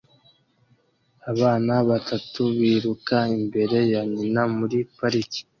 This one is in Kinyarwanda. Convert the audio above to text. Abana batatu biruka imbere ya nyina muri parike